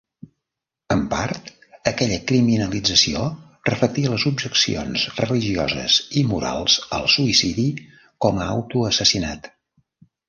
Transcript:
En part, aquella criminalització reflectia les objeccions religioses i morals al suïcidi com a auto-assassinat.